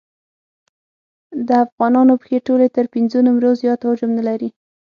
د افغانانو پښې ټولې تر پېنځو نمبرو زیات حجم نه لري.